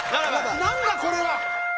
何だこれは！